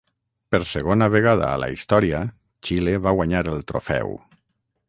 Per segona vegada a la història, Xile va guanyar el trofeu.